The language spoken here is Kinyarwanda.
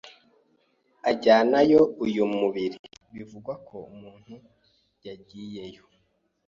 ajyanayo uyu mubiri, bivugwa ko umuntu yagiyeyo